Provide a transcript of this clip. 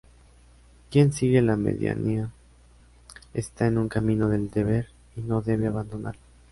Quien sigue la medianía está en un camino del deber y no debe abandonarlo.